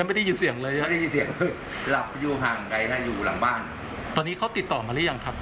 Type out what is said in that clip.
ไม่ได้ยินเสียงเลยรับอยู่ห้างไกลอีกแล้วอยู่หลังบ้านตอนนี้เขาติดต่อมาหรือยังครับ๒๕๐๐